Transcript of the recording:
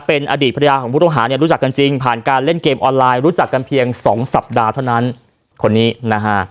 เป็นอดีตภรรยาของผู้ต้องหาเนี่ยรู้จักกันจริงผ่านการเล่นเกมออนไลน์รู้จักกันเพียงสองสัปดาห์เท่านั้นคนนี้นะฮะ